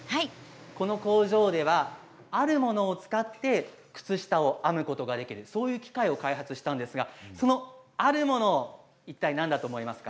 この工場では、あるものを使って靴下を編むことができる機械を開発したんですがそのあるものいったい何だと思いますか？